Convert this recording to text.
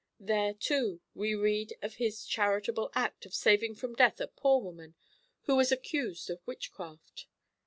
There too we read of his charitable act of saving from death a poor woman who was accused of witchcraft.